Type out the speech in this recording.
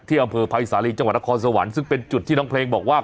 อำเภอภัยสาลีจังหวัดนครสวรรค์ซึ่งเป็นจุดที่น้องเพลงบอกว่า